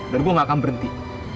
dan gue gak akan berhenti